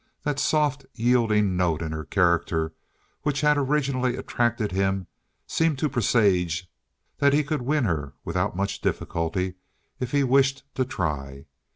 That soft, yielding note in her character which had originally attracted him seemed to presage that he could win her without much difficulty, if he wished to try.